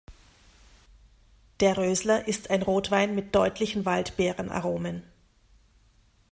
Der Roesler ist ein Rotwein mit deutlichen Waldbeeren-Aromen.